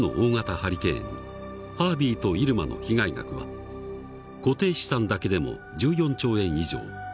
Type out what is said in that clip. ハリケーンハービーとイルマの被害額は固定資産だけでも１４兆円以上。